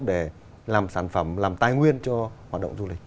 để làm sản phẩm làm tài nguyên cho hoạt động du lịch